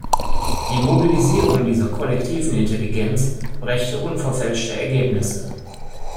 Die Mobilisierung dieser kollektiven Intelligenz brächte unverfälschte Ergebnisse.